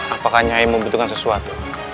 apakah nyai membutuhkan sesuatu